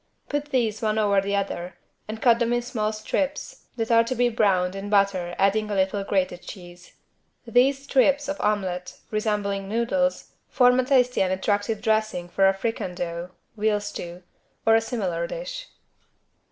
Put these one over the other and cut them in small strips that are to be browned in butter adding a little grated cheese. These strips of omelet, resembling noodles, form a tasty and attractive dressing for a fricandeau (veal stew) or a similar dish.